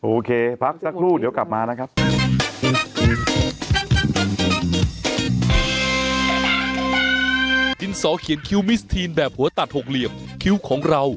โอเคพักสักครู่เดี๋ยวกลับมานะครับ